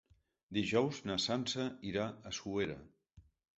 Dijous na Sança irà a Suera.